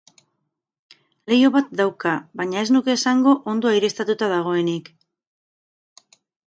Leiho bat dauka, baina ez nuke esango ondo aireztatuta dagoenik.